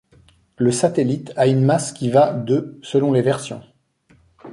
Le satellite a une masse qui va de selon les versions.